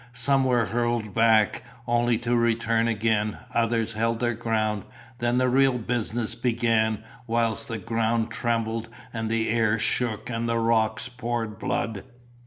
Some were hurled back, only to return again, others held their ground. Then the real business began whilst the ground trembled and the air shook and the rocks poured blood.